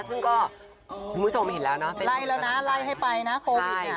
ซึ่งก็คุณผู้ชมเห็นแล้วเนอะไล่แล้วนะไล่ให้ไปนะโควิดต้องไปแล้วนะคะ